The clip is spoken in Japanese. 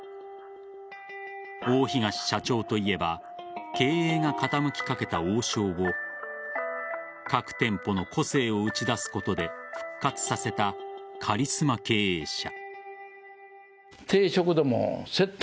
大東社長といえば経営が傾きかけた王将を各店舗の個性を打ち出すことで復活させたカリスマ経営者。